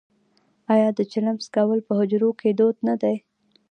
آیا د چلم څکول په حجرو کې دود نه دی؟